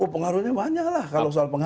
pengaruhnya banyak lah